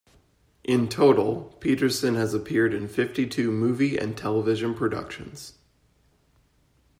In total, Peterson has appeared in fifty-two movie and television productions.